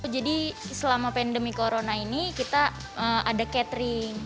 jadi selama pandemi corona ini kita ada catering